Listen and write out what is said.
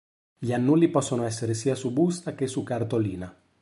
Gli annulli possono essere sia su busta che su cartolina.